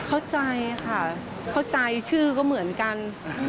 เข้าใจค่ะเข้าใจชื่อก็เหมือนกัน